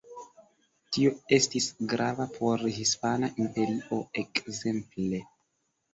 Tio estis grava por Hispana Imperio ekzemple.